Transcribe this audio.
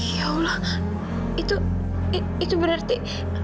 ya allah itu berarti